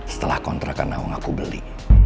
setelah kontrakan aku beli